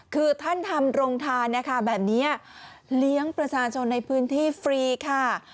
คือท่านทำโรงทานนะคะแบบนี้เลี้ยงประชาชนในพื้นที่ฟรีค่ะ